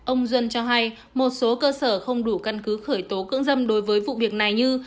ông duân cho hay một số cơ sở không đủ căn cứ khởi tố cưỡng dâm đối với vụ việc này như